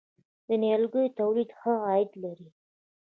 د نیالګیو تولید ښه عاید لري؟